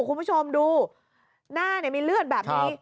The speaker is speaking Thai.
คุณผู้ชมดูหน้ามีเลือดแบบนี้